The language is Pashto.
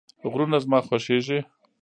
غرونه زما خوښیږي